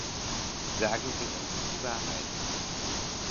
Sagen Sie uns die Wahrheit!